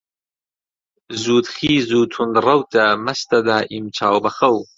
زوودخیز و توند ڕەوتە، مەستە دائیم چاو بە خەو